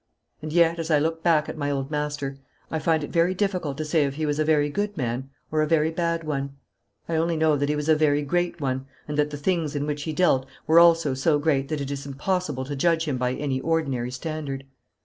And yet, as I look back at my old master, I find it very difficult to say if he was a very good man or a very bad one. I only know that he was a very great one, and that the things in which he dealt were also so great that it is impossible to judge him by any ordinary standard.